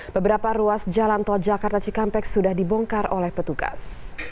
beberapa ruas jalan tol jakarta cikampek sudah dibongkar oleh petugas